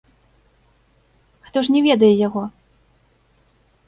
Хто ж не ведае яго?